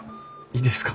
いいですか？